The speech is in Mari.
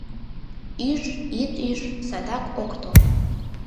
Ӱж, ит ӱж — садак ок тол.